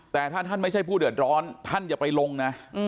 แต่ถ้าท่านไม่ใช่ผู้เดือดร้อนท่านอย่าไปลงนะ